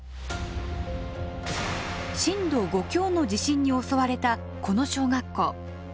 震度５強の地震に襲われたこの小学校。